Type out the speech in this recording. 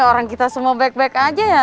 orang kita semua baik baik aja ya